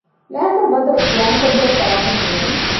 ނައިފަރު ބަނދަރު ޕްލޭންކޮށްދޭނެ ފަރާތެއް ހޯދުން